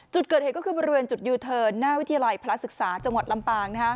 จุดเกิดเหตุก็คือบริเวณจุดยูเทิร์นหน้าวิทยาลัยพระศึกษาจังหวัดลำปาง